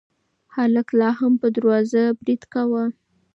هلک لا هم په دروازه برید کاوه.